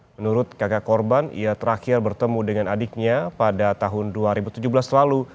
menurut kakak korban ia terakhir bertemu dengan adiknya pada tahun dua ribu tujuh belas lalu